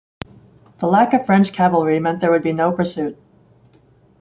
The lack of French cavalry meant there would be no pursuit.